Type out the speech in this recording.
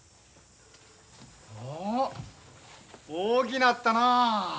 お大きなったなあ！